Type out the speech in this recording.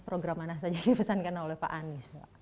program mana saja yang dipesankan oleh pak anies